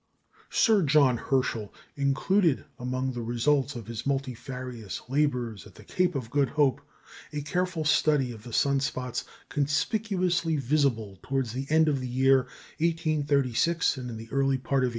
Sir John Herschel included among the results of his multifarious labours at the Cape of Good Hope a careful study of the sun spots conspicuously visible towards the end of the year 1836 and in the early part of 1837.